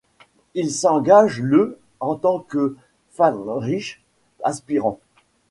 Il s'engage le en tant que Fähnrich, aspirant.